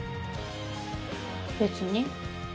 別に。